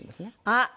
あっ。